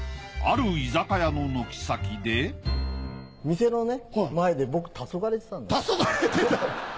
ある居酒屋の軒先で黄昏てた。